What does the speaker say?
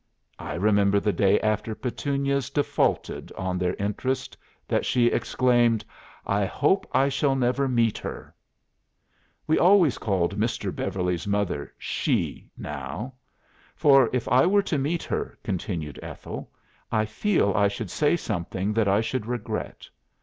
I remember the day after Petunias defaulted on their interest that she exclaimed, 'I hope I shall never meet her!' We always called Mr. Beverly's mother 'she' now. 'For if I were to meet her,' continued Ethel, 'I feel I should say something that I should regret.